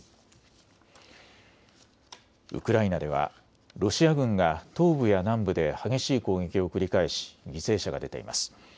ウクライナではロシア軍が東部や南部で激しい攻撃を繰り返し、犠牲者が出ています。